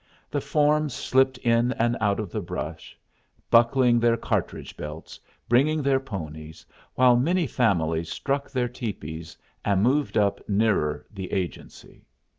The forms slipped in and out of the brush, buckling their cartridge belts, bringing their ponies, while many families struck their tepees and moved up nearer the agency.